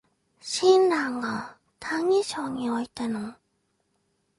親鸞が「歎異抄」においての